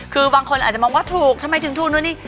คือบางคนอาจจะมองว่าถูกทำไมถึงถูกนู่นนี่